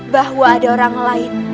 bahwa ada orang lain